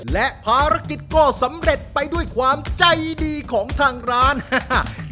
และภารกิจก็สำเร็จไปด้วยความใจดีของทางร้านฮ่า